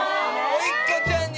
甥っ子ちゃんに！